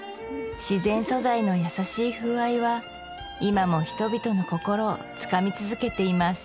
自然素材の優しい風合いは今も人々の心をつかみ続けています